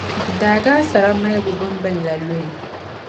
bɛ daagi a sara maligu bimbina luhi.